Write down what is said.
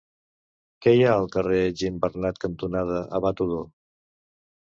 Què hi ha al carrer Gimbernat cantonada Abat Odó?